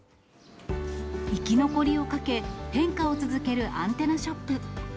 生き残りをかけ、変化を続けるアンテナショップ。